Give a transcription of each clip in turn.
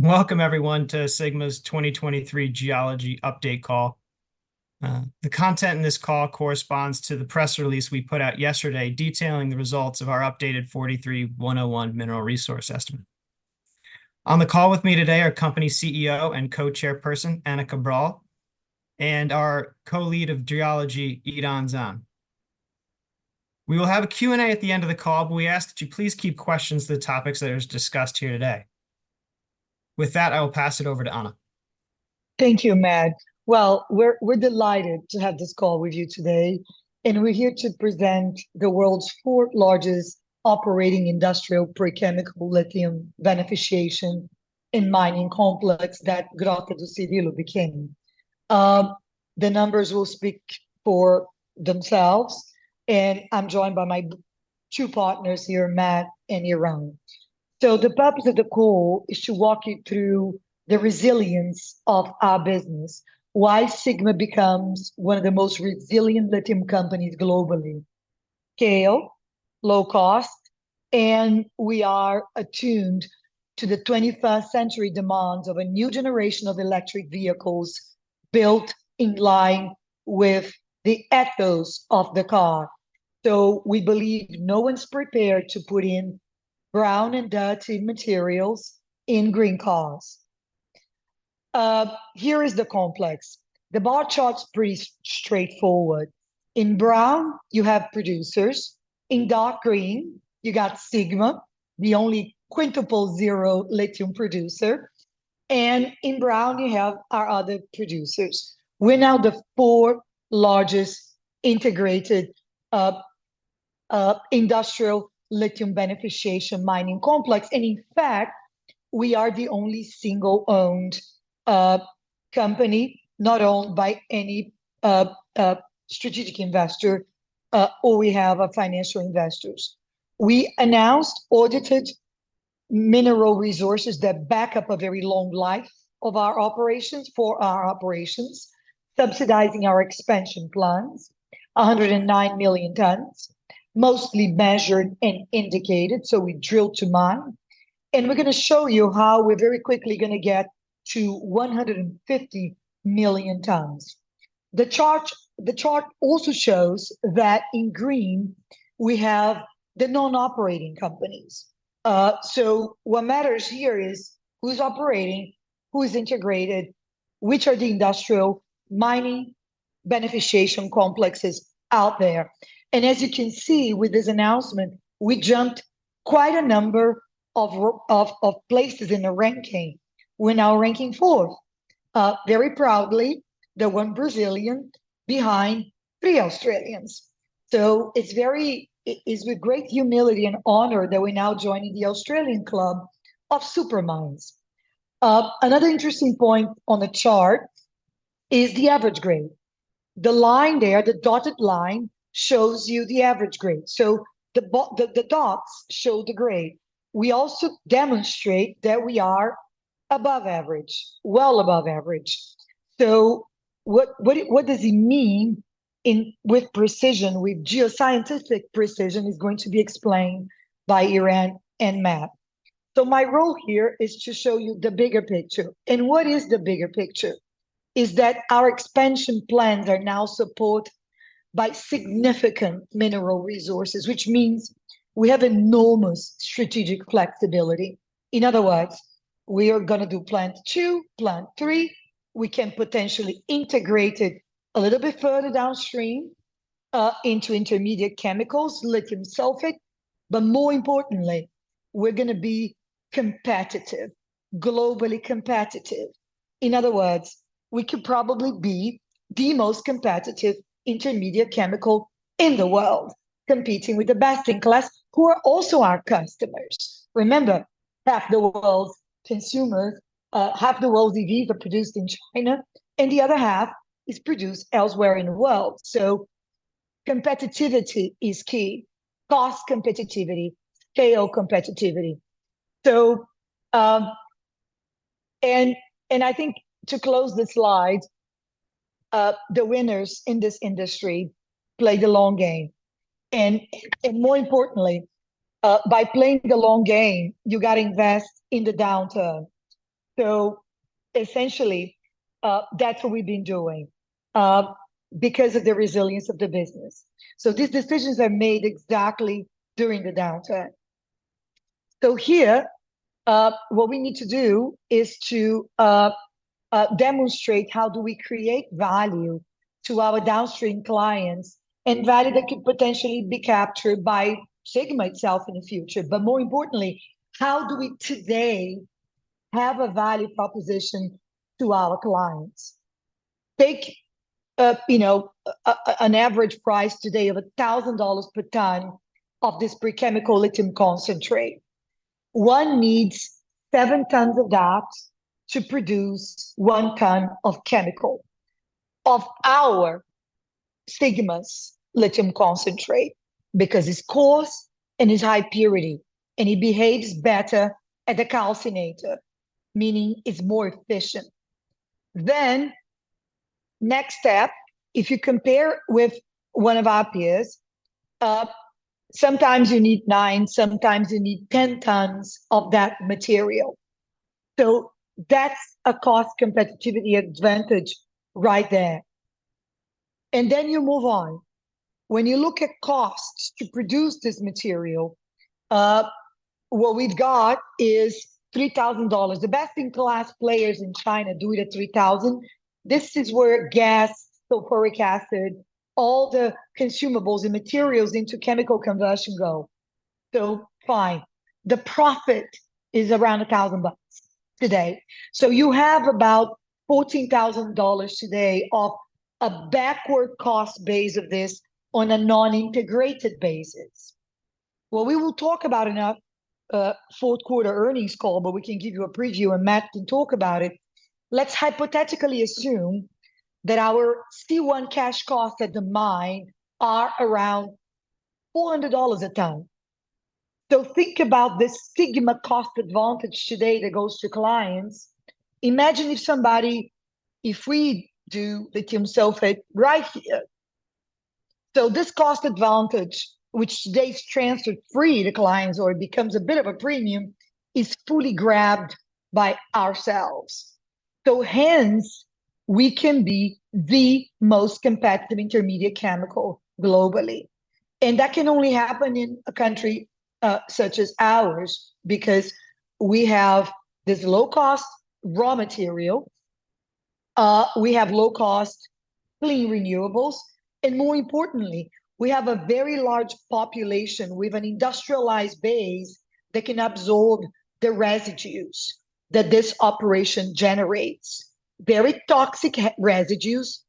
Welcome everyone to Sigma's 2023 Geology Update Call. The content in this call corresponds to the press release we put out yesterday, detailing the results of our updated 43-101 mineral resource estimate. On the call with me today are company CEO and co-chairperson, Ana Cabral, and our co-lead of geology, Iran Zan. We will have a Q&A at the end of the call, but we ask that you please keep questions to the topics that is discussed here today. With that, I will pass it over to Ana. Thank you, Matt. Well, we're delighted to have this call with you today, and we're here to present the world's fourth largest operating industrial pre-chemical lithium beneficiation and mining complex that Grota do Cirilo became. The numbers will speak for themselves, and I'm joined by my two partners here, Matt and Iran. So the purpose of the call is to walk you through the resilience of our business, why Sigma becomes one of the most resilient lithium companies globally. Scale, low cost, and we are attuned to the 21st century demands of a new generation of electric vehicles built in line with the ethos of the car. So we believe no one's prepared to put in brown and dirty materials in green cars. Here is the complex. The bar chart's pretty straightforward. In brown, you have producers. In dark green, you got Sigma, the only quintuple zero lithium producer, and in brown you have our other producers. We're now the fourth largest integrated industrial lithium beneficiation mining complex, and in fact, we are the only single-owned company, not owned by any strategic investor, or we have a financial investors. We announced audited mineral resources that back up a very long life of our operations, for our operations, subsidizing our expansion plans, 109 million tons, mostly measured and indicated, so we drill to mine. And we're gonna show you how we're very quickly gonna get to 150 million tons. The chart, the chart also shows that in green we have the non-operating companies. So what matters here is who's operating, who is integrated, which are the industrial mining beneficiation complexes out there? As you can see with this announcement, we jumped quite a number of places in the ranking. We're now ranking fourth, very proudly, the one Brazilian behind three Australians. So it's with great humility and honor that we're now joining the Australian Club of Super Mines. Another interesting point on the chart is the average grade. The line there, the dotted line, shows you the average grade, so the dots show the grade. We also demonstrate that we are above average, well above average. So what does it mean with precision, with geoscientific precision, is going to be explained by Iran and Matt. So my role here is to show you the bigger picture, and what is the bigger picture? It's that our expansion plans are now supported by significant mineral resources, which means we have enormous strategic flexibility. In other words, we are gonna do Plant 2, Plant 3. We can potentially integrate it a little bit further downstream into intermediate chemicals, lithium sulfate, but more importantly, we're gonna be competitive, globally competitive. In other words, we could probably be the most competitive intermediate chemical in the world, competing with the best in class, who are also our customers. Remember, half the world's consumers, half the world's EVs are produced in China, and the other half is produced elsewhere in the world, so competitiveness is key. Cost competitiveness, scale competitiveness. So, I think to close the slide, the winners in this industry play the long game, and more importantly, by playing the long game, you gotta invest in the downturn. So essentially, that's what we've been doing, because of the resilience of the business. So these decisions are made exactly during the downturn. So here, what we need to do is to demonstrate how do we create value to our downstream clients, and value that could potentially be captured by Sigma itself in the future. But more importantly, how do we today have a value proposition to our clients? Take, you know, an average price today of $1,000 per ton of this pre-chemical lithium concentrate. One needs seven tons of dots to produce one ton of chemical, of our Sigma's lithium concentrate, because it's coarse and it's high purity, and it behaves better at the calcinator, meaning it's more efficient. Then-... Next step, if you compare with one of our peers, sometimes you need nine, sometimes you need 10 tons of that material. So that's a cost competitive advantage right there, and then you move on. When you look at costs to produce this material, what we've got is $3,000. The best-in-class players in China do it at $3,000. This is where gas, sulfuric acid, all the consumables and materials into chemical conversion go. So fine, the profit is around $1,000 today. So you have about $14,000 today of a backward cost base of this on a non-integrated basis. Well, we will talk about in our fourth quarter earnings call, but we can give you a preview, and Matt can talk about it. Let's hypothetically assume that our C1 Cash Costs at the mine are around $400 a ton. Think about this Sigma cost advantage today that goes to clients. Imagine if somebody... if we do lithium sulfate right here. So this cost advantage, which today is transferred free to clients or becomes a bit of a premium, is fully grabbed by ourselves. Hence, we can be the most competitive intermediate chemical globally, and that can only happen in a country such as ours, because we have this low-cost raw material, we have low-cost clean renewables, and more importantly, we have a very large population with an industrialized base that can absorb the residues that this operation generates. Very toxic residues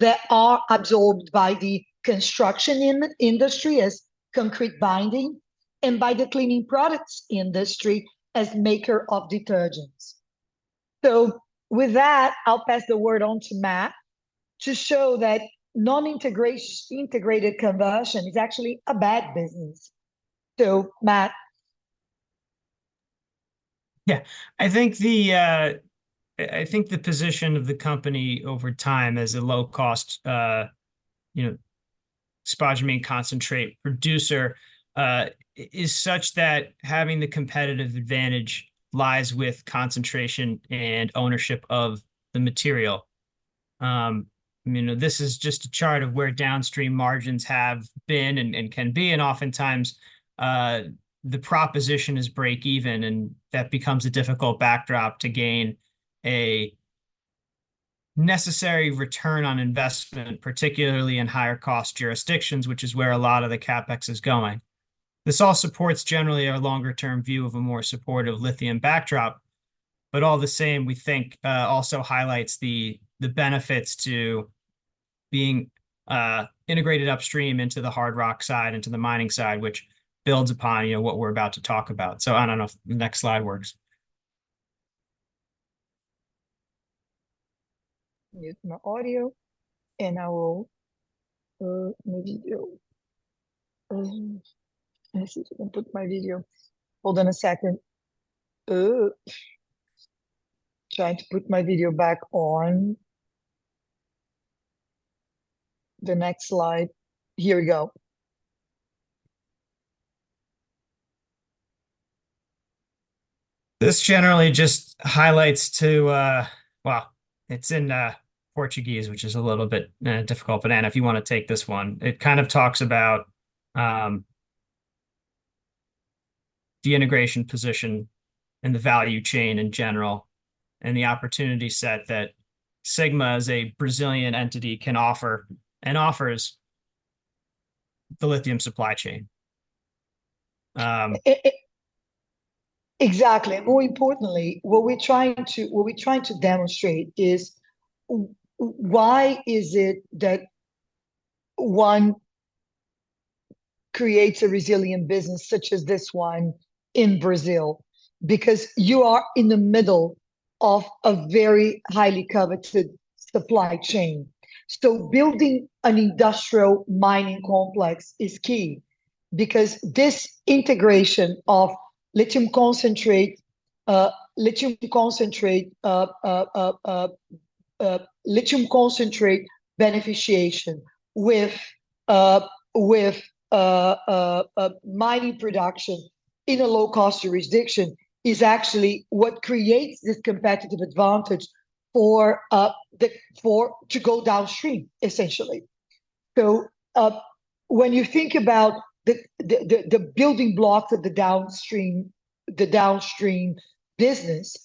that are absorbed by the construction industry as concrete binding, and by the cleaning products industry as maker of detergents. With that, I'll pass the word on to Matt to show that non-integrated conversion is actually a bad business. So, Matt? Yeah. I think the position of the company over time as a low-cost, you know, spodumene concentrate producer, is such that having the competitive advantage lies with concentration and ownership of the material. You know, this is just a chart of where downstream margins have been and can be, and oftentimes, the proposition is break even, and that becomes a difficult backdrop to gain a necessary return on investment, particularly in higher-cost jurisdictions, which is where a lot of the CapEx is going. This all supports generally our longer-term view of a more supportive lithium backdrop, but all the same, we think, also highlights the benefits to being integrated upstream into the hard rock side, into the mining side, which builds upon, you know, what we're about to talk about. I don't know if the next slide works. Mute my audio, and I will mute video. I see if I can put my video... Hold on a second. Trying to put my video back on. The next slide. Here we go. This generally just highlights to... Well, it's in Portuguese, which is a little bit difficult, but Anna, if you wanna take this one. It kind of talks about the integration position and the value chain in general, and the opportunity set that Sigma as a Brazilian entity can offer, and offers the lithium supply chain. Exactly. More importantly, what we're trying to demonstrate is why is it that one creates a resilient business such as this one in Brazil? Because you are in the middle of a very highly coveted supply chain. So building an industrial mining complex is key, because this integration of lithium concentrate beneficiation with mining production in a low-cost jurisdiction is actually what creates this competitive advantage for to go downstream, essentially. So, when you think about the building blocks of the downstream, the downstream business,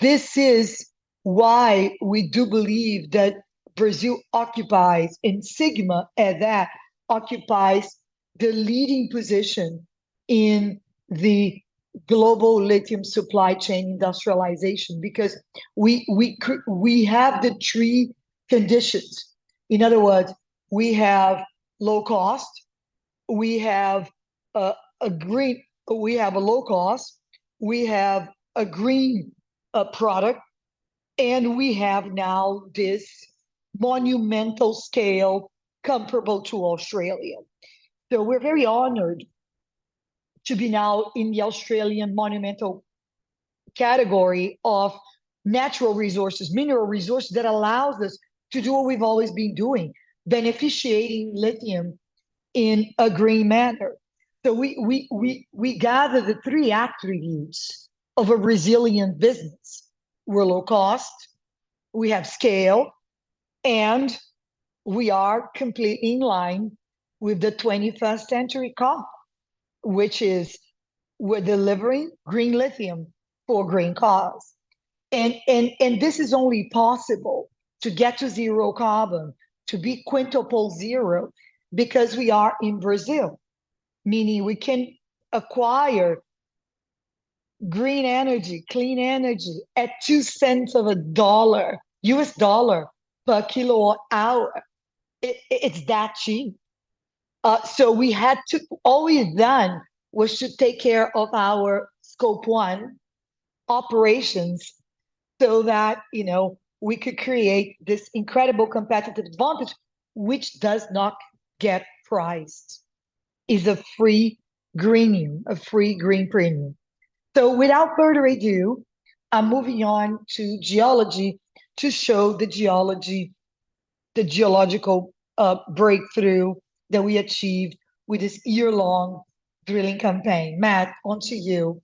this is why we do believe that Brazil occupies, and Sigma, and that occupies the leading position in the global lithium supply chain industrialization. Because we have the three conditions. In other words, we have low cost, we have a green product, and we have now this monumental scale comparable to Australia. So we're very honored to be now in the Australian monumental category of natural resources, mineral resources, that allows us to do what we've always been doing, beneficiating lithium in a green manner. So we gather the three attributes of a resilient business. We're low cost, we have scale, and we are completely in line with the 21st century call, which is we're delivering green lithium for green cause. And this is only possible to get to zero carbon, to be quintuple zero, because we are in Brazil, meaning we can acquire green energy, clean energy at $0.02 per kWh. It's that cheap. So all we had done was to take care of our Scope 1 operations, so that, you know, we could create this incredible competitive advantage, which does not get priced, is a free premium, a free green premium. So without further ado, I'm moving on to geology to show the geology, the geological breakthrough that we achieved with this year-long drilling campaign. Matt, on to you.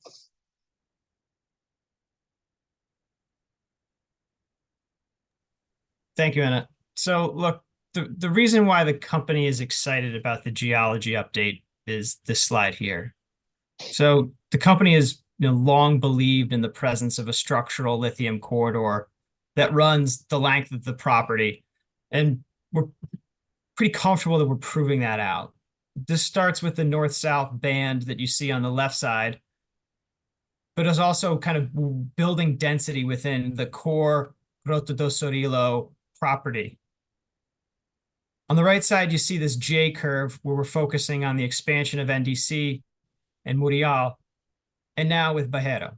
Thank you, Ana. So look, the reason why the company is excited about the geology update is this slide here. So the company has, you know, long believed in the presence of a structural lithium corridor that runs the length of the property, and we're pretty comfortable that we're proving that out. This starts with the north-south band that you see on the left side, but it's also kind of building density within the core Grota do Cirilo property. On the right side, you see this J-curve, where we're focusing on the expansion of NDC and Mourão, and now with Barreiro.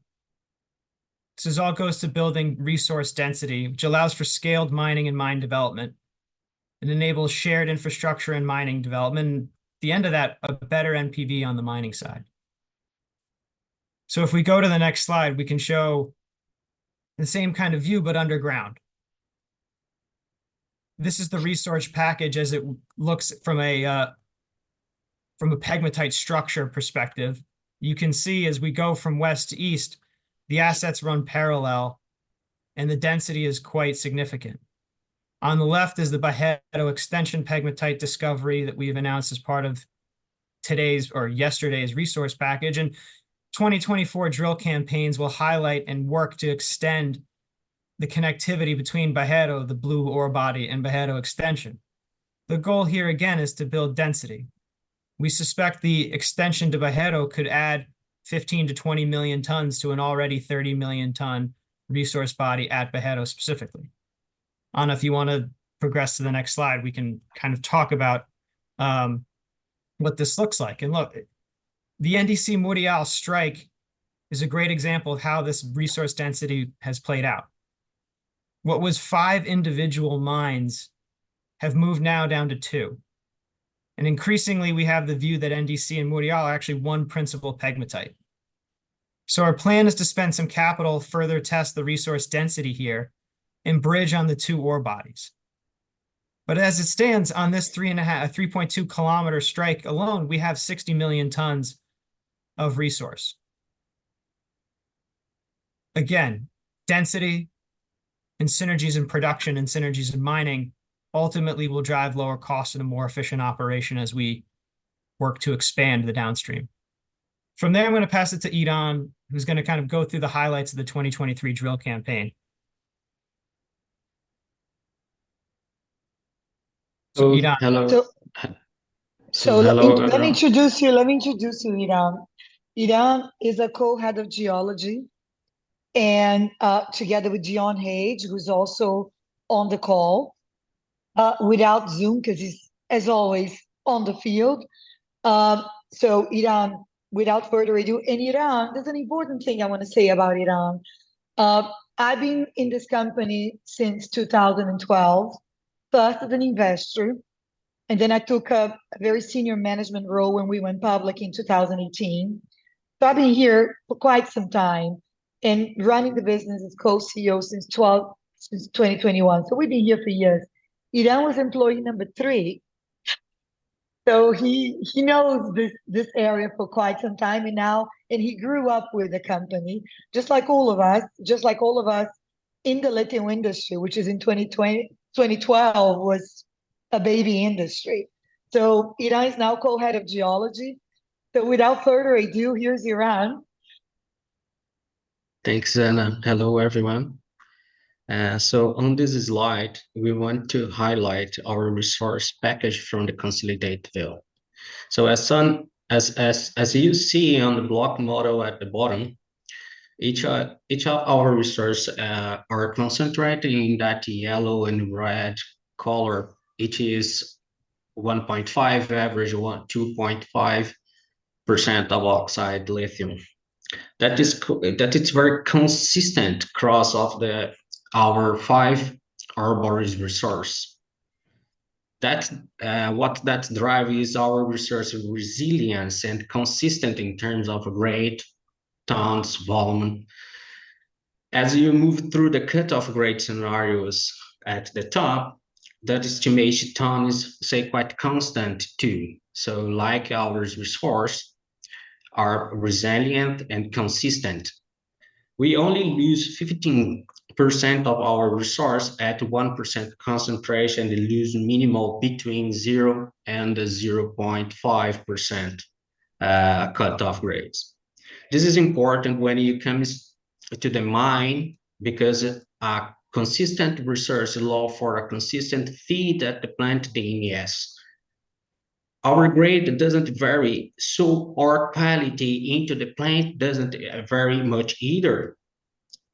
This all goes to building resource density, which allows for scaled mining and mine development, and enables shared infrastructure and mining development, and the end of that, a better NPV on the mining side. So if we go to the next slide, we can show the same kind of view, but underground. This is the resource package as it looks from a, from a pegmatite structure perspective. You can see as we go from west to east, the assets run parallel, and the density is quite significant. On the left is the Barreiro Extension pegmatite discovery that we've announced as part of today's or yesterday's resource package, and 2024 drill campaigns will highlight and work to extend the connectivity between Barreiro, the blue ore body, and Barreiro Extension. The goal here, again, is to build density. We suspect the extension to Barreiro could add 15-20 million tons to an already 30 million ton resource body at Barreiro specifically. Ana, if you want to progress to the next slide, we can kind of talk about what this looks like. And look, the NDC Mourão strike is a great example of how this resource density has played out. What was five individual mines have moved now down to two, and increasingly, we have the view that NDC and Mourão are actually one principal pegmatite. So our plan is to spend some capital, further test the resource density here, and bridge on the two ore bodies. But as it stands on this 3.5—3.2 kilometer strike alone, we have 60 million tons of resource. Again, density and synergies in production, and synergies in mining, ultimately will drive lower costs and a more efficient operation as we work to expand the downstream. From there, I'm going to pass it to Iran, who's going to kind of go through the highlights of the 2023 drill campaign. So- Iran? So- Hello. So let me- Hello, everyone... let me introduce you, Iran. Iran is a co-head of geology and together with Dyonne Hage, who's also on the call without Zoom, 'cause he's, as always, on the field. So Iran, without further ado... Iran, there's an important thing I want to say about Iran. I've been in this company since 2012, first as an investor, and then I took a very senior management role when we went public in 2018. So I've been here for quite some time and running the business as Co-CEO since 2021, so we've been here for years. Iran was employee number three, so he knows this area for quite some time now, and he grew up with the company, just like all of us, just like all of us in the lithium industry, which is in 2020-2012 was a baby industry. Iran is now co-head of geology. Without further ado, here's Iran. Thanks, Ana. Hello, everyone. So on this slide, we want to highlight our resource package from the consolidated field. So as you see on the block model at the bottom, each of our resources are concentrated in that yellow and red color. It is 1.5, average 1-2.5% lithium oxide. That it's very consistent across of the, our five ore bodies resource. What that drive is our resource resilience and consistent in terms of grade, tons, volume. As you move through the cut-off grade scenarios at the top, the estimation tons stay quite constant, too. So like our resource, are resilient and consistent. We only lose 15% of our resource at 1% concentration, we lose minimal between 0%-0.5%, cut-off grades. This is important when you come to the mine, because a consistent resource allow for a consistent feed at the plant DMS. Our grade doesn't vary, so our quality into the plant doesn't vary much either.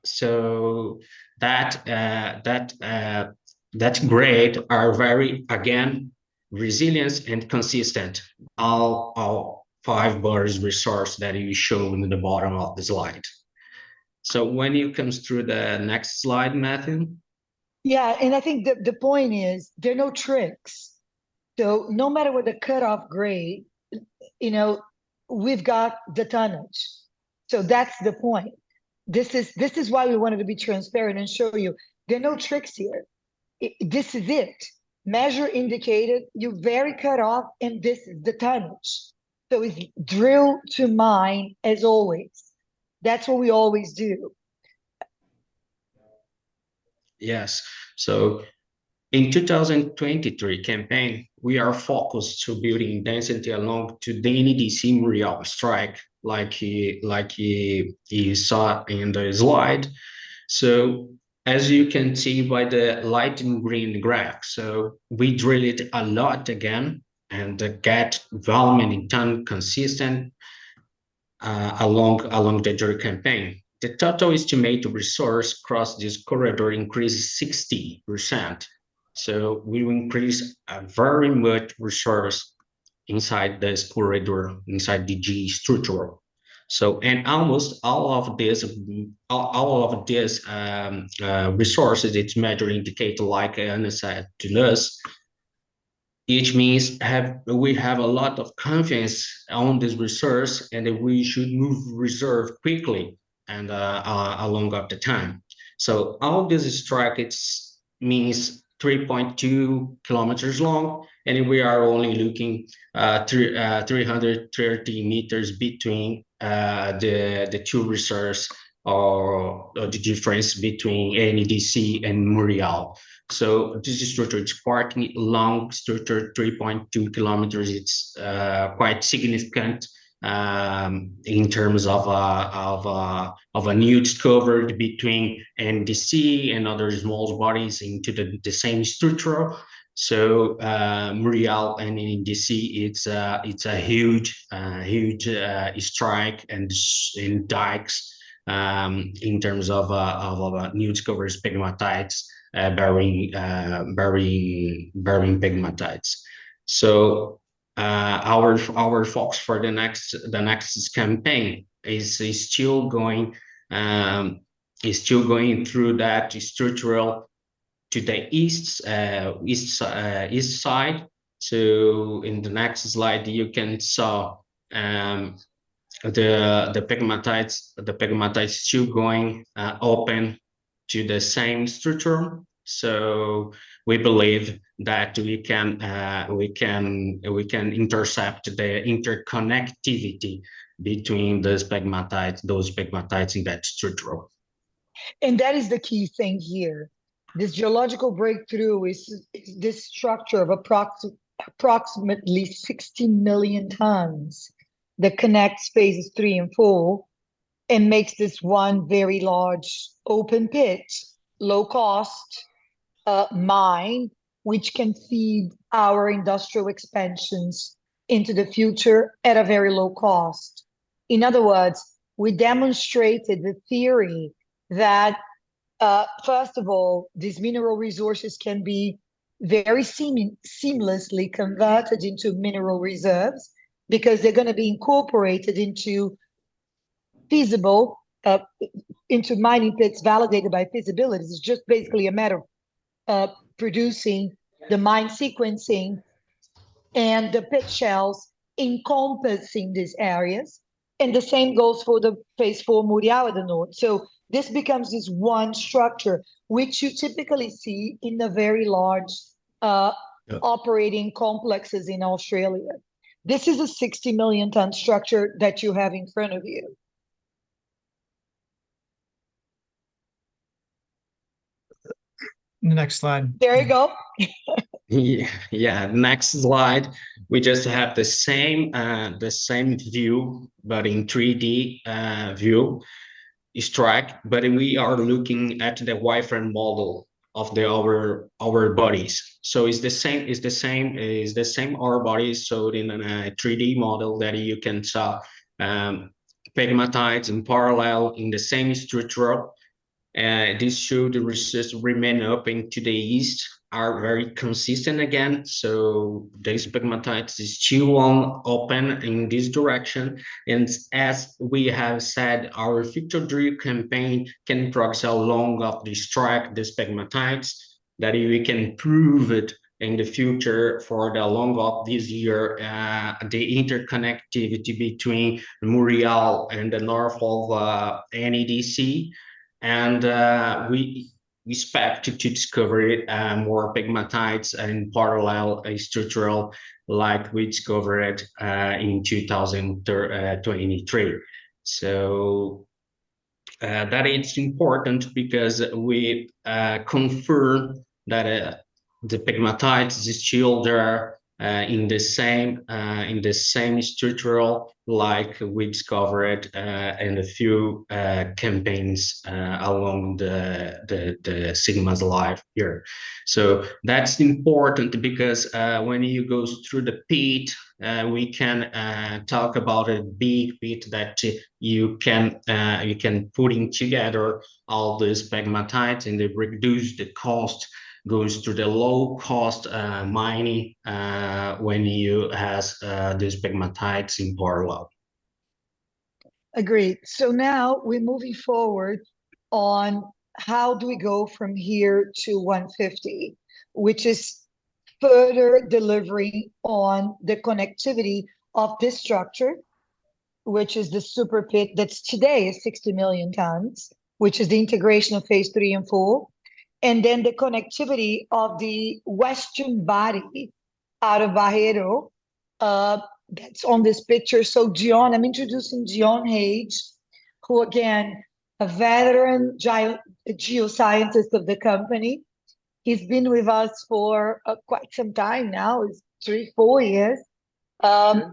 So that, that, that grade are very, again, resilient and consistent. All our five bars resource that is shown in the bottom of the slide. So when you comes through the next slide, Matthew. Yeah, and I think the point is, there are no tricks. So no matter what the cut-off grade, you know, we've got the tonnage. So that's the point. This is why we wanted to be transparent and show you there are no tricks here. This is it. Measured and Indicated, 0.25 cut-off, and this is the tonnage. So it's drill to mine, as always. That's what we always do. Yes. So in 2023 campaign, we are focused to building density along to the NDC real strike, like you saw in the slide. So as you can see by the light in green graph, so we drilled a lot again, and get volume and in ton consistent along the drill campaign. The total estimated resource across this corridor increases 60%, so we increase very much resource inside this corridor, inside the G structure. So, and almost all of this, all of this resources, it's measured, indicated, like Ana said to us, which means we have a lot of confidence on this resource, and that we should move reserve quickly and along up the time. So all this strike, it means 3.2 kilometers long, and we are only looking 330 meters between the two resources, or the difference between NDC and Mourão. So this structure, it's a quite long structure, 3.2 kilometers, it's quite significant in terms of a new discovery between NDC and other small bodies into the same structure. So Mourão and NDC, it's a huge strike and in dikes in terms of a new discovery pegmatites, very, very, very pegmatites. So our focus for the next campaign is still going through that structural to the east side. So in the next slide, you can saw the pegmatites still going open to the same structure. So we believe that we can intercept the interconnectivity between those pegmatites in that structure. That is the key thing here. This geological breakthrough is this structure of approximately 60 million tons that connects phases three and four, and makes this one very large open pit, low cost mine, which can feed our industrial expansions into the future at a very low cost. In other words, we demonstrated the theory that first of all, these mineral resources can be very seamlessly converted into mineral reserves, because they're gonna be incorporated into feasible mining pits validated by feasibility. It's just basically a matter of producing the mine sequencing and the pit shells encompassing these areas, and the same goes for the phase 4 Mourão to the north. So this becomes this one structure, which you typically see in the very large Yeah... operating complexes in Australia. This is a 60 million ton structure that you have in front of you. Next slide. There you go. Yeah, yeah. Next slide, we just have the same, the same view, but in 3D, view strike, but we are looking at the wireframe model of the ore bodies. So it's the same, it's the same, it's the same, ore bodies shown in a 3D model that you can see pegmatites in parallel in the same structure. This shows the resource remains open to the east, are very consistent again, the pegmatites are still open in this direction, and as we have said, our future drill campaign can progress along the strike, the pegmatites, that we can improve it in the future for the length of this year, the interconnectivity between Mourão and the north of NDC. And, we expect to discover more pegmatites and parallel structures like we discovered in 2023. So, that is important because we confirm that the pegmatites is still there in the same structural like we discovered in a few campaigns along the Sigma's life here. So that's important because when you go through the pit, we can talk about a big pit that you can putting together all these pegmatites, and they reduce the cost, goes to the low cost mining when you has these pegmatites in parallel. Agreed. So now we're moving forward on how do we go from here to 150, which is further delivery on the connectivity of this structure, which is the super pit, that's today is 60 million tons, which is the integration of phase three and four, and then the connectivity of the western body out of Barreiro, that's on this picture. So Dyonne, I'm introducing Dyonne Hage, who, again, a veteran geoscientist of the company. He's been with us for quite some time now, it's three, four years. And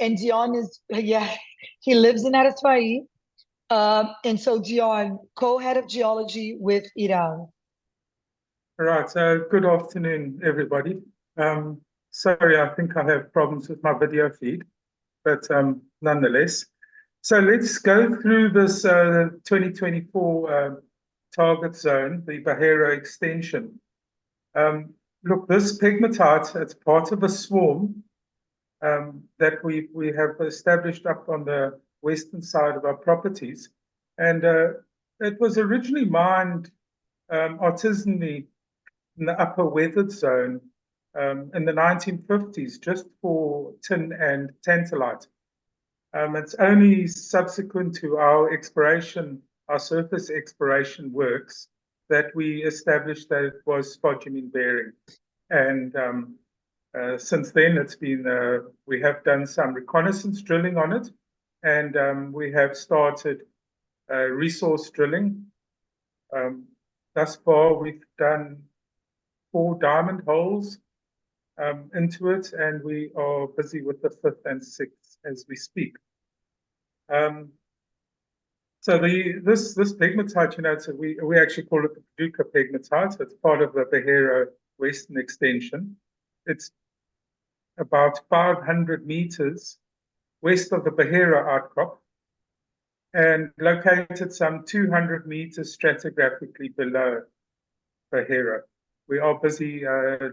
Dyonne is... Yeah, he lives in Araçuaí. And so Dyonne, Co-Head of Geology with Iran. All right, so good afternoon, everybody. Sorry, I think I have problems with my video feed, but, nonetheless. So let's go through this, 2024 target zone, the Barreiro Extension. Look, this pegmatite, it's part of a swarm, that we, we have established up on the western side of our properties. And it was originally mined, artisanally in the upper weathered zone, in the 1950s, just for tin and tantalite. It's only subsequent to our exploration, our surface exploration works, that we established that it was spodumene bearing. And since then, it's been, we have done some reconnaissance drilling on it, and we have started resource drilling. Thus far, we've done four diamond holes into it, and we are busy with the fifth and sixth as we speak. So this pegmatite unit, we actually call it the Paduca Pegmatite. It's part of the Barreiro Western Extension. It's about 500 meters west of the Barreiro outcrop and located some 200 meters stratigraphically below Barreiro. We are busy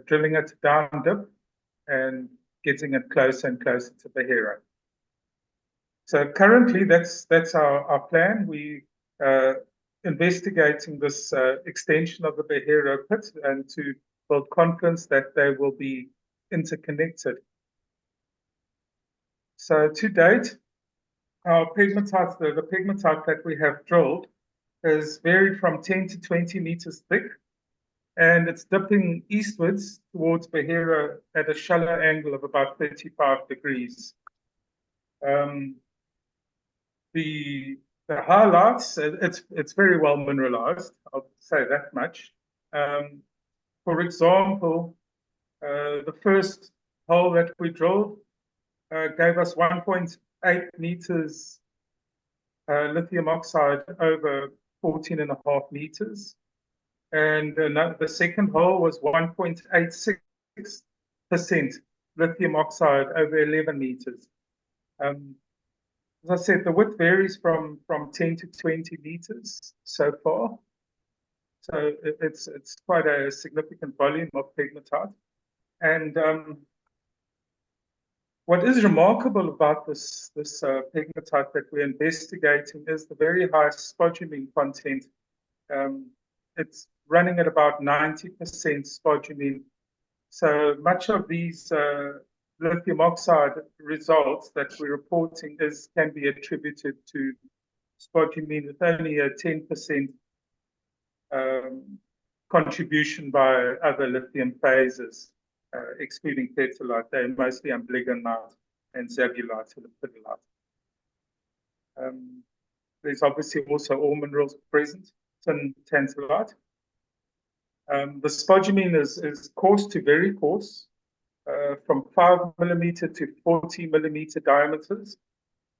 drilling it down dip and getting it closer and closer to Barreiro. So currently, that's our plan. We are investigating this extension of the Barreiro pit, and to build confidence that they will be interconnected. So to date, our pegmatite, the pegmatite that we have drilled has varied from 10-20 meters thick, and it's dipping eastwards towards Barreiro at a shallow angle of about 35 degrees. The highlights, it's very well mineralized, I'll say that much. For example, the first hole that we drilled gave us 1.8 meters lithium oxide over 14.5 meters, and the second hole was 1.86% lithium oxide over 11 meters. As I said, the width varies from 10-20 meters so far, so it's quite a significant volume of pegmatite. What is remarkable about this pegmatite that we're investigating is the very high spodumene content. It's running at about 90% spodumene. So much of these lithium oxide results that we're reporting can be attributed to spodumene, with only a 10% contribution by other lithium phases, excluding petalite, and mostly amblygonite and zinnwaldite, lepidolite. There's obviously also all minerals present, tin, tantalite. The spodumene is coarse to very coarse, from 5 mm to 40 mm diameters,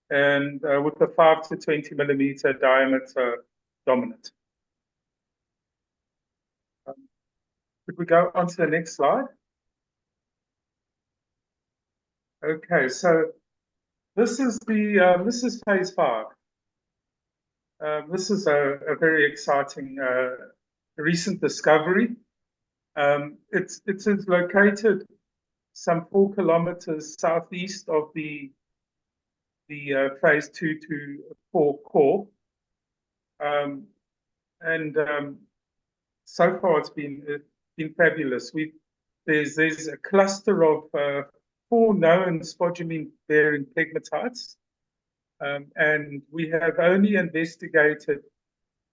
with the 5 mm- 20-mm diameter dominant. Could we go on to the next slide? Okay, so this is phase five. This is a very exciting recent discovery. It's located some 4 km southeast of the phase two to four core. And so far it's been fabulous. There's a cluster of four known spodumene-bearing pegmatites. And we have only investigated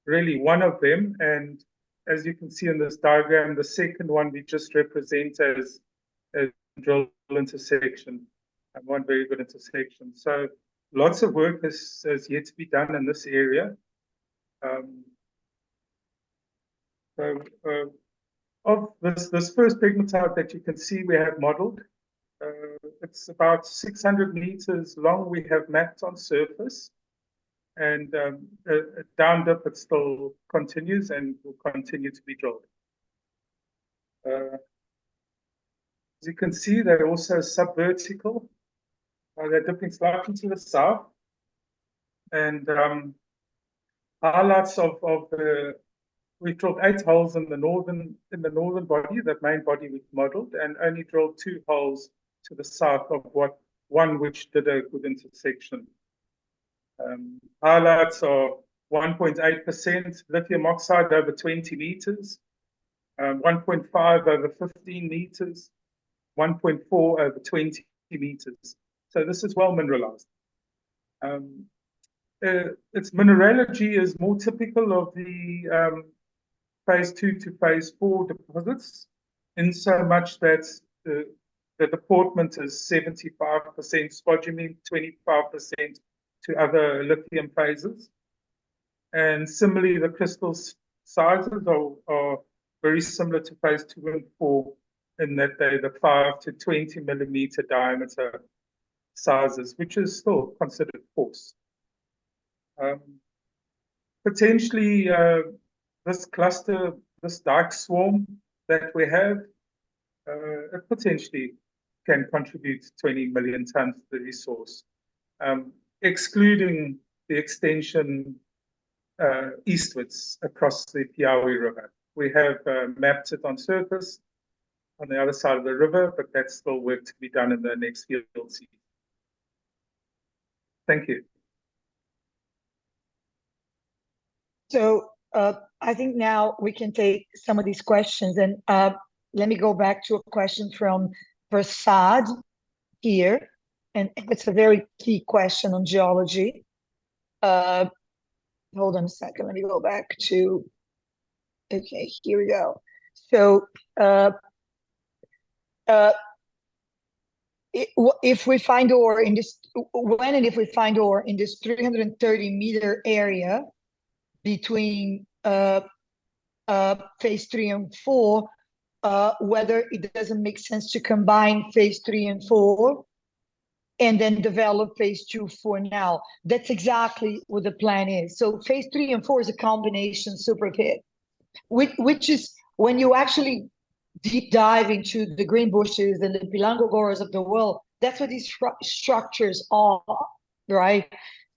really one of them, and as you can see in this diagram, the second one we just represent as a drill intersection, and one very good intersection. So lots of work is yet to be done in this area. So, of this first pegmatite that you can see we have modeled, it's about 600 meters long. We have mapped on surface and down depth it still continues and will continue to be drilled. As you can see, they're also subvertical, or they're dipping slightly to the south. Highlights of the, we drilled eight holes in the northern body, that main body we've modeled, and only drilled two holes to the south of what one which did a good intersection. Highlights are 1.8% lithium oxide over 20 meters, 1.5 over 15 meters, 1.4 over 20 meters. So this is well mineralized. Its mineralogy is more typical of the phase two to phase four deposits, insomuch that the deportment is 75% spodumene, 25% to other lithium phases. Similarly, the crystal sizes are very similar to phase two and four in that they're the 5 mm-20 mm diameter sizes, which is still considered coarse. Potentially, this cluster, this dark swarm that we have, it potentially can contribute 20 million tons to the resource, excluding the extension eastwards across the Piauí River. We have mapped it on surface on the other side of the river, but that's still work to be done in the next field season. Thank you. So, I think now we can take some of these questions, and, let me go back to a question from Prasad here, and it's a very key question on geology. Hold on a second. Let me go back to... Okay, here we go. So, if we find ore in this—when and if we find ore in this 330-meter area between, phase three and four, whether it doesn't make sense to combine phase three and four, and then develop phase two for now. That's exactly what the plan is. So phase three and four is a combination super pit, which is when you actually deep dive into the Greenbushes and the Pilbaras of the world, that's what these structures are, right?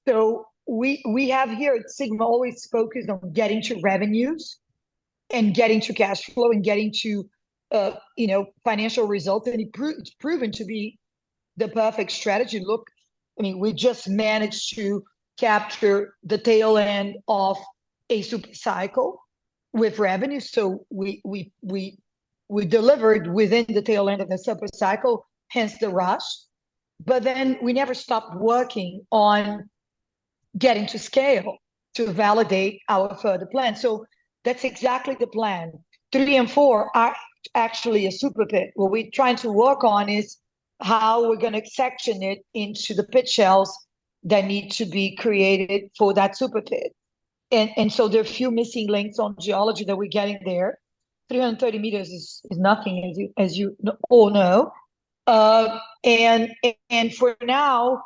So we, we have here at Sigma, always focused on getting to revenues and getting to cash flow, and getting to, you know, financial results, and it proved, it's proven to be the perfect strategy. Look, I mean, we just managed to capture the tail end of a super cycle with revenue, so we, we, we, we delivered within the tail end of the super cycle, hence the rush. But then we never stopped working on getting to scale to validate our further plan. So that's exactly the plan. Three and four are actually a super pit. What we're trying to work on is how we're gonna section it into the pit shells that need to be created for that super pit. And so there are a few missing links on geology that we're getting there. 330 meters is nothing, as you all know. For now,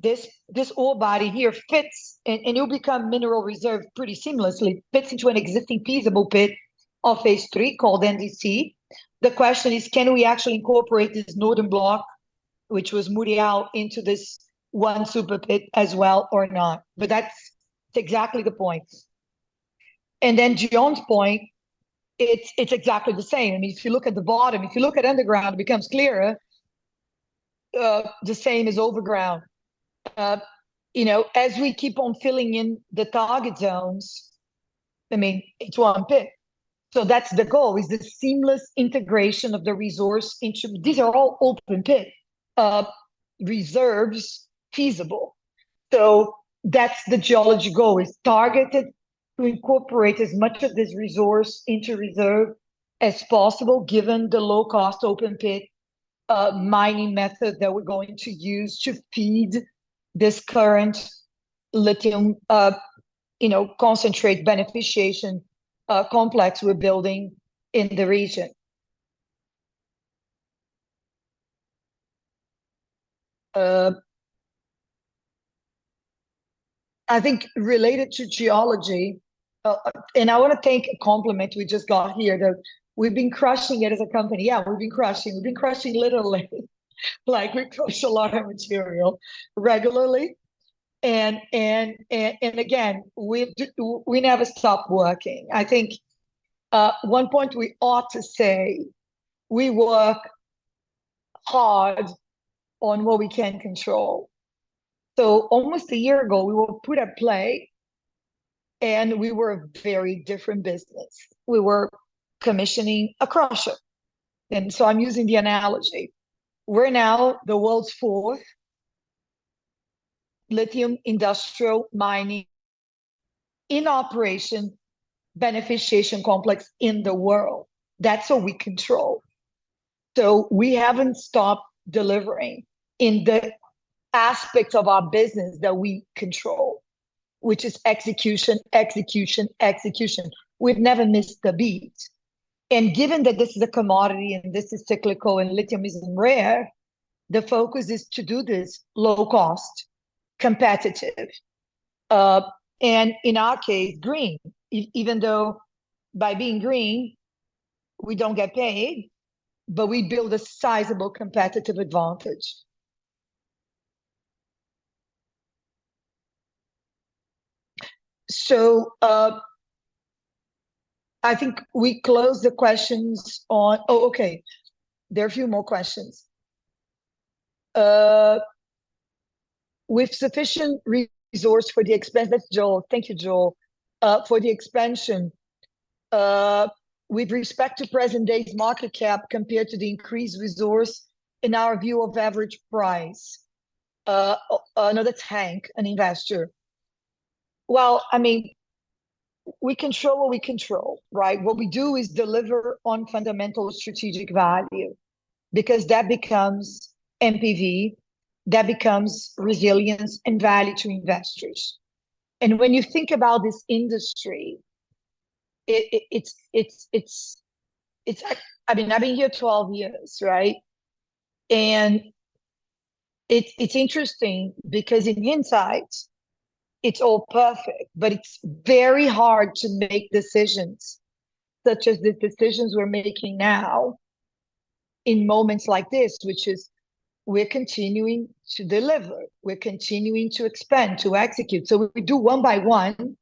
this ore body here fits, and it'll become mineral reserve pretty seamlessly, fits into an existing feasible pit of Phase three, called NDC. The question is, can we actually incorporate this northern block, which was Mourão, into this one super pit as well or not? But that's exactly the point. Then Dyonne's point, it's exactly the same. I mean, if you look at the bottom, if you look at underground, it becomes clearer, the same as overground. You know, as we keep on filling in the target zones, I mean, it's one pit. So that's the goal, is the seamless integration of the resource into... These are all open pit reserves, feasible. So that's the geology goal, is targeted to incorporate as much of this resource into reserve as possible, given the low-cost open pit mining method that we're going to use to feed this current lithium, you know, concentrate beneficiation complex we're building in the region. I think related to geology, and I wanna take a compliment we just got here, that we've been crushing it as a company. Yeah, we've been crushing. We've been crushing literally.... like we push a lot of material regularly, and, and, and, and again, we never stop working. I think, one point we ought to say, we work hard on what we can control. So almost a year ago, we were put at play, and we were a very different business. We were commissioning a crusher, and so I'm using the analogy. We're now the world's fourth lithium industrial mining in operation, beneficiation complex in the world. That's what we control. So we haven't stopped delivering in the aspects of our business that we control, which is execution, execution, execution. We've never missed a beat. And given that this is a commodity, and this is cyclical, and lithium is rare, the focus is to do this low cost, competitive, and in our case, green. Even though by being green, we don't get paid, but we build a sizable competitive advantage. So, I think we close the questions on... Oh, okay, there are a few more questions. With sufficient resource for the expansion—That's Joel. Thank you, Joel. For the expansion, with respect to present day's market cap compared to the increased resource in our view of average price. Another tank, an investor. Well, I mean, we control what we control, right? What we do is deliver on fundamental strategic value, because that becomes NPV, that becomes resilience and value to investors. And when you think about this industry, it's... I mean, I've been here 12 years, right? And it's interesting because in the insights, it's all perfect, but it's very hard to make decisions, such as the decisions we're making now in moments like this, which is, we're continuing to deliver, we're continuing to expand, to execute. So we do one by one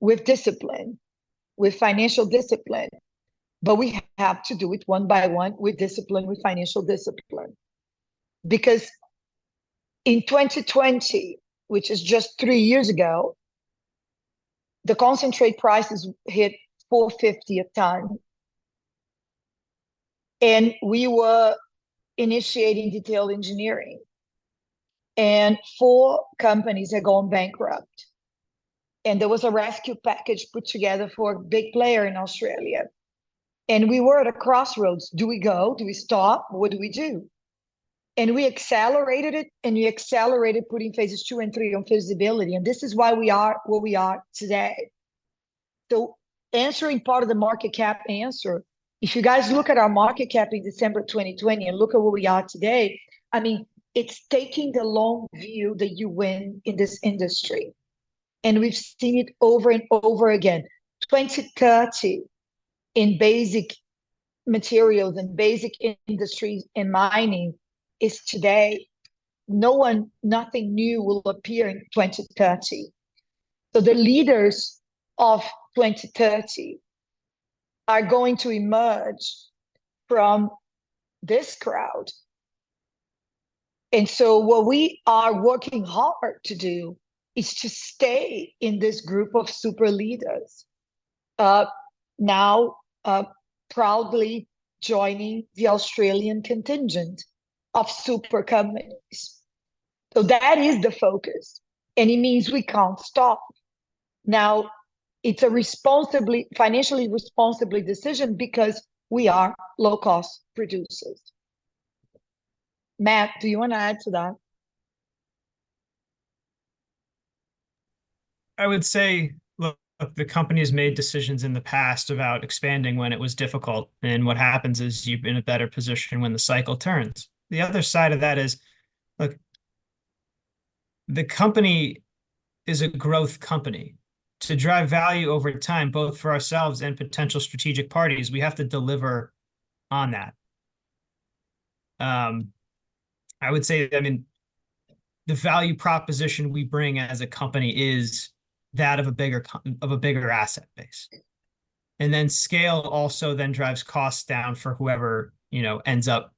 with discipline, with financial discipline, but we have to do it one by one with discipline, with financial discipline. Because in 2020, which is just three years ago, the concentrate prices hit $450 a ton, and we were initiating detailed engineering, and four companies had gone bankrupt, and there was a rescue package put together for a big player in Australia, and we were at a crossroads. Do we go? Do we stop? What do we do? And we accelerated it, and we accelerated putting phases two and three on feasibility, and this is why we are where we are today. So answering part of the market cap answer, if you guys look at our market cap in December 2020 and look at where we are today, I mean, it's taking the long view that you win in this industry, and we've seen it over and over again. 2030 in basic materials and basic industries and mining is today. Nothing new will appear in 2030. The leaders of 2030 are going to emerge from this crowd, and so what we are working hard to do is to stay in this group of super leaders, now, proudly joining the Australian contingent of super companies. So that is the focus, and it means we can't stop. Now, it's a financially responsible decision because we are low-cost producers. Matt, do you wanna add to that? I would say, look, the company has made decisions in the past about expanding when it was difficult, and what happens is you're in a better position when the cycle turns. The other side of that is, look, the company is a growth company. To drive value over time, both for ourselves and potential strategic parties, we have to deliver on that. I would say, I mean, the value proposition we bring as a company is that of a bigger co- of a bigger asset base. And then scale also then drives costs down for whoever, you know, ends up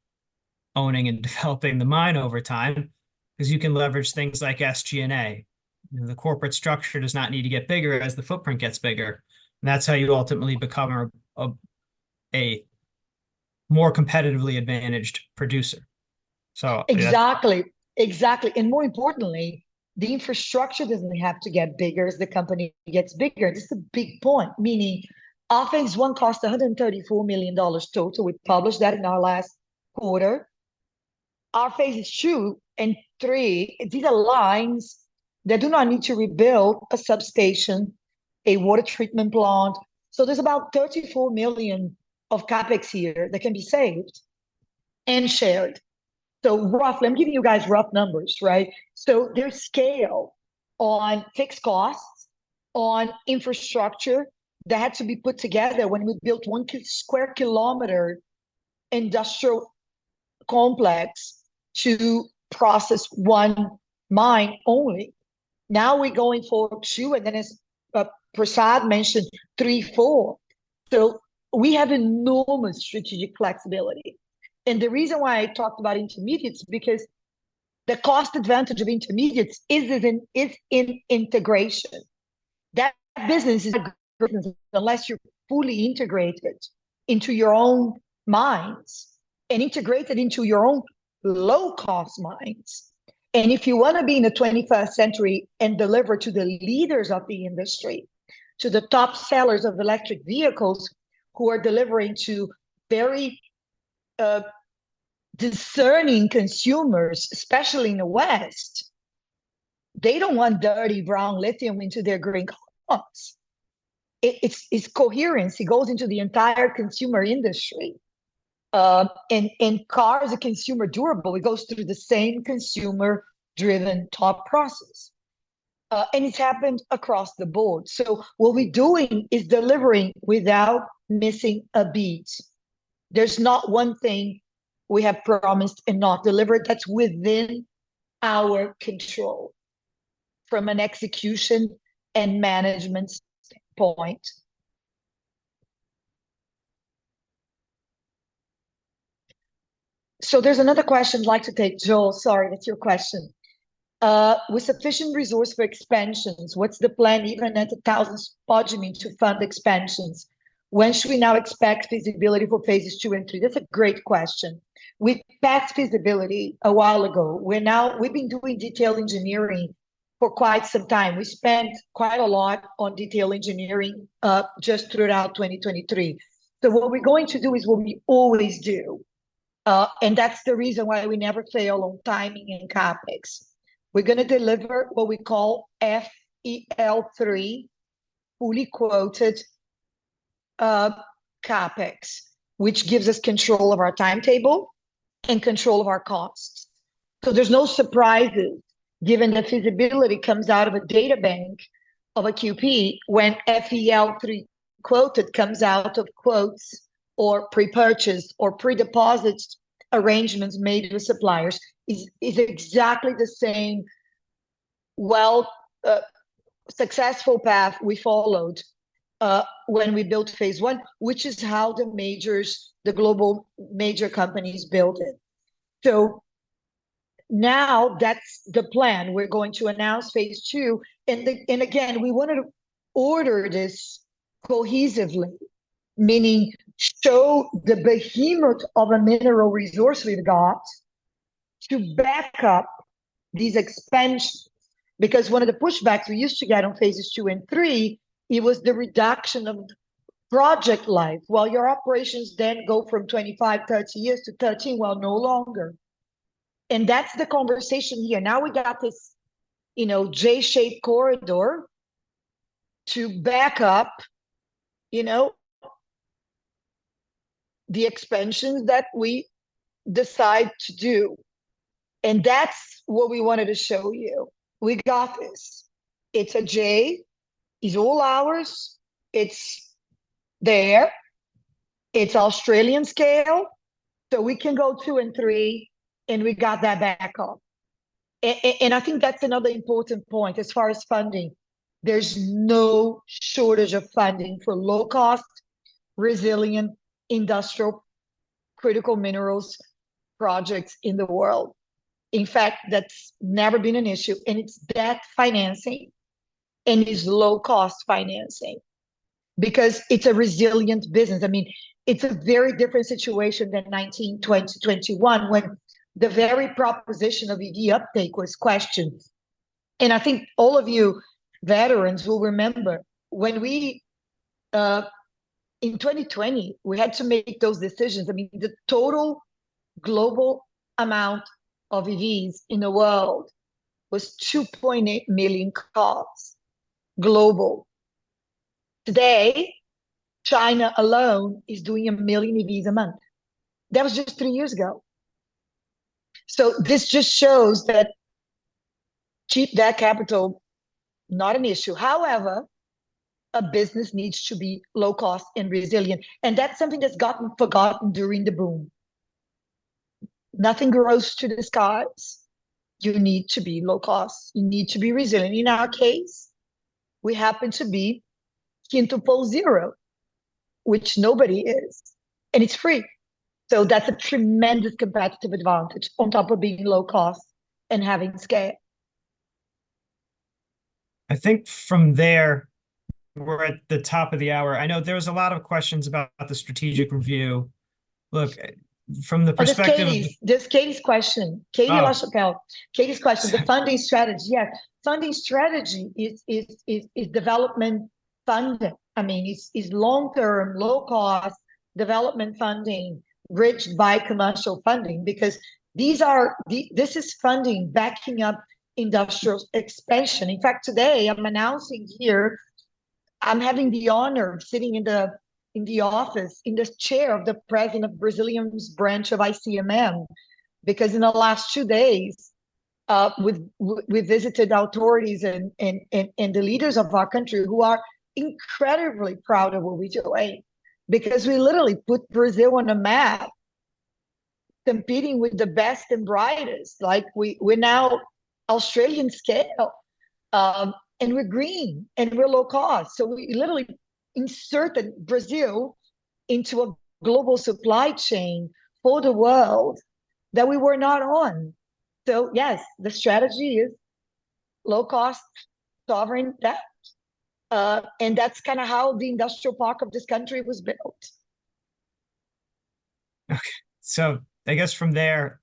owning and developing the mine over time, 'cause you can leverage things like SG&A. The corporate structure does not need to get bigger as the footprint gets bigger, and that's how you ultimately become a more competitively advantaged producer. So yeah- Exactly, exactly. And more importantly, the infrastructure doesn't have to get bigger as the company gets bigger. This is a big point, meaning our phase one cost $134 million total. We published that in our last quarter. Our phases two and three, these are lines that do not need to rebuild a substation, a water treatment plant. So there's about $34 million of CapEx here that can be saved and shared. So roughly, I'm giving you guys rough numbers, right? So there's scale on fixed costs on infrastructure that had to be put together when we built 1 sq km industrial complex to process one mine only. Now we're going for two, and then as Prasad mentioned, three, four. So we have enormous strategic flexibility, and the reason why I talked about intermediates, because the cost advantage of intermediates is that in, is in integration. That business is a business unless you're fully integrated into your own mines, and integrated into your own low-cost mines. And if you wanna be in the 21st century and deliver to the leaders of the industry, to the top sellers of electric vehicles, who are delivering to very discerning consumers, especially in the West, they don't want dirty brown lithium into their green cars. It's coherence, it goes into the entire consumer industry. And car is a consumer durable, it goes through the same consumer-driven top process. And it's happened across the board. So what we're doing is delivering without missing a beat. There's not one thing we have promised and not delivered that's within our control, from an execution and management standpoint. So there's another question I'd like to take. Joel, sorry, that's your question. With sufficient resource for expansions, what's the plan, even at $1,000 spodumene to fund expansions? When should we now expect feasibility for phases two and three?" That's a great question. We passed feasibility a while ago. We've been doing detailed engineering for quite some time. We spent quite a lot on detailed engineering just throughout 2023. What we're going to do is what we always do, and that's the reason why we never fail on timing and CapEx. We're gonna deliver what we call FEL3, fully quoted CapEx, which gives us control of our timetable and control of our costs. So there's no surprises, given the feasibility comes out of a data bank of a QP, when FEL3 quoted comes out of quotes or pre-purchased or pre-deposit arrangements made with suppliers, is, is exactly the same, well, successful path we followed, when we built phase one, which is how the majors, the global major companies built it. So now that's the plan. We're going to announce phase two, and the... And again, we wanted to order this cohesively, meaning show the behemoth of a mineral resource we've got to back up these expansions. Because one of the pushbacks we used to get on phases two and three, it was the reduction of project life. "Well, your operations then go from 25, 30 years to 13." Well, no longer, and that's the conversation here. Now we got this, you know, J-shaped corridor to back up, you know, the expansions that we decide to do, and that's what we wanted to show you. We got this. It's a J, it's all ours, it's there, it's Australian scale, so we can go two and three, and we got that backup. And I think that's another important point as far as funding. There's no shortage of funding for low-cost, resilient, industrial, critical minerals projects in the world. In fact, that's never been an issue, and it's that financing, and is low-cost financing, because it's a resilient business. I mean, it's a very different situation than 2019, 2021, when the very proposition of EV uptake was questioned. And I think all of you veterans will remember when we in 2020, we had to make those decisions. I mean, the total global amount of EVs in the world was 2.8 million cars, global. Today, China alone is doing 1 million EVs a month. That was just three years ago. So this just shows that cheap debt capital, not an issue. However, a business needs to be low cost and resilient, and that's something that's gotten forgotten during the boom. Nothing grows to the skies. You need to be low cost, you need to be resilient. In our case, we happen to be close to net zero, which nobody is, and it's free. So that's a tremendous competitive advantage on top of being low cost and having scale. I think from there, we're at the top of the hour. I know there was a lot of questions about the strategic review. Look, from the perspective- Oh, this Katie, this Katie's question. Oh. Katie Russell, Katie's question, the funding strategy. Yeah, funding strategy is development funding. I mean, it's long-term, low-cost development funding, bridged by commercial funding, because these are... This is funding backing up industrial expansion. In fact, today I'm announcing here. I'm having the honor of sitting in the office, in the chair of the president of Brazil's branch of ICMM, because in the last two days, we've visited authorities and the leaders of our country, who are incredibly proud of what we just laid. Because we literally put Brazil on the map, competing with the best and brightest. Like, we're now Australian scale, and we're green, and we're low cost. So we literally inserted Brazil into a global supply chain for the world that we were not on. Yes, the strategy is low cost sovereign debt. And that's kind of how the industrial park of this country was built. Okay, so I guess from there,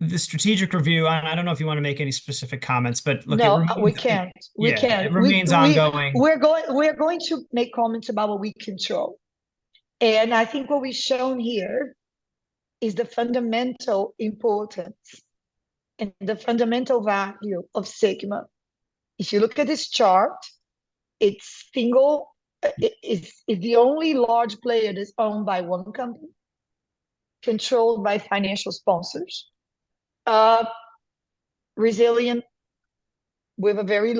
like, the strategic review, I don't know if you want to make any specific comments, but look- No, we can't. Yeah. We can't. It remains ongoing. We're going to make comments about what we control. I think what we've shown here is the fundamental importance and the fundamental value of Sigma. If you look at this chart, it's the only large player that's owned by one company, controlled by financial sponsors. Resilient, with a very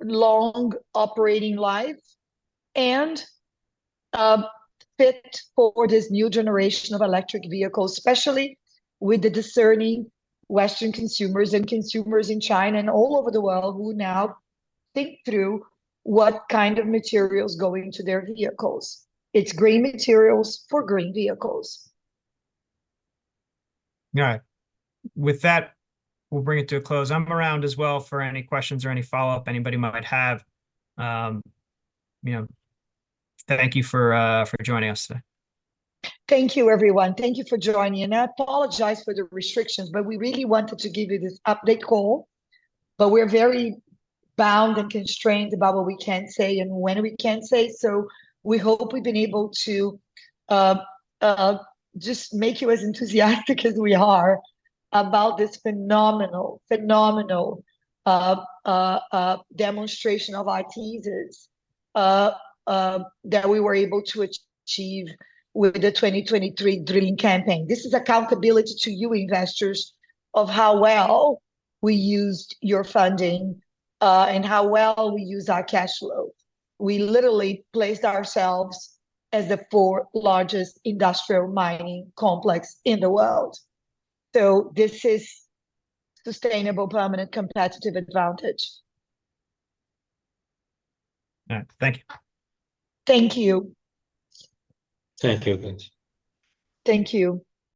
long operating life, and fit for this new generation of electric vehicles, especially with the discerning Western consumers and consumers in China and all over the world, who now think through what kind of materials go into their vehicles. It's green materials for green vehicles. All right. With that, we'll bring it to a close. I'm around as well for any questions or any follow-up anybody might have. You know, thank you for joining us today. Thank you, everyone. Thank you for joining, and I apologize for the restrictions, but we really wanted to give you this update call. We're very bound and constrained about what we can say and when we can say, so we hope we've been able to just make you as enthusiastic as we are about this phenomenal, phenomenal demonstration of these that we were able to achieve with the 2023 drilling campaign. This is accountability to you, investors, of how well we used your funding and how well we used our cash flow. We literally placed ourselves as the fourth largest industrial mining complex in the world. This is sustainable, permanent, competitive advantage. All right. Thank you. Thank you. Thank you, guys. Thank you.